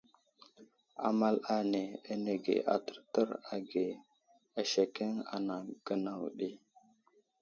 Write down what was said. Amal ane anege a tərtər age asekeŋ anaŋ gənaw ɗi.